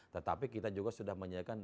tetapi kita juga sudah menyiapkan